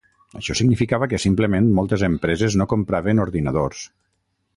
Això significava que simplement moltes empreses no compraven ordinadors.